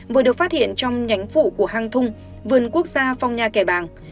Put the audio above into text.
vừa được phát hiện trong nhánh phụ của hang thung vườn quốc gia phong nha kẻ bàng